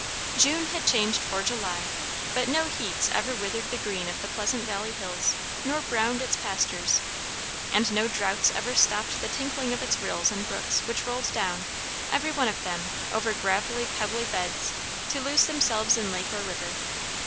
June had changed for July; but no heats ever withered the green of the Pleasant Valley hills, nor browned its pastures; and no droughts ever stopped the tinkling of its rills and brooks, which rolled down, every one of them, over gravelly pebbly beds to lose themselves in lake or river.